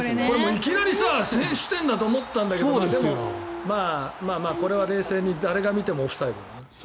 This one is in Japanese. いきなり先制点だと思ったんだけどでもこれは冷静に誰が見てもオフサイド。